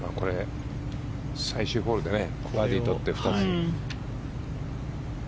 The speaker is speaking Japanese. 最終ホールでバーディーとって。